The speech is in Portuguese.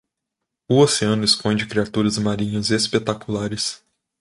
O oceano esconde criaturas marinhas espetaculares